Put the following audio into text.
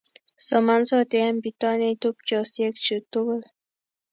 Somansoti eng' bitonin tupchosiekchu tugul